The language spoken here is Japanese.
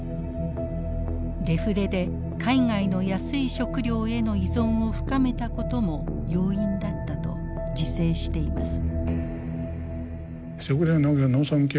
デフレで海外の安い食料への依存を深めたことも要因だったと自省しています。